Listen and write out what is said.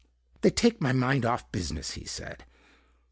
"They take my mind off business," he said.